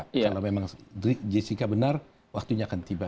kalau memang jessica benar waktunya akan tiba